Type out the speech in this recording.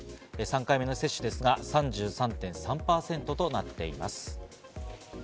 ３回目の接種ですが、３３．３％となっています。